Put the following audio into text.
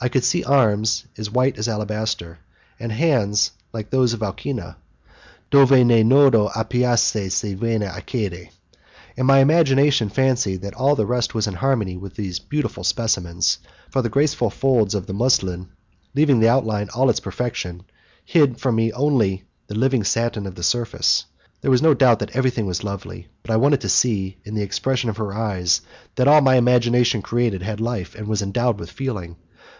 I could see arms as white as alabaster, and hands like those of Alcina, 'dove ne nodo appasisce ne vena accede', and my active imagination fancied that all the rest was in harmony with those beautiful specimens, for the graceful folds of the muslin, leaving the outline all its perfection, hid from me only the living satin of the surface; there was no doubt that everything was lovely, but I wanted to see, in the expression of her eyes, that all that my imagination created had life and was endowed with feeling.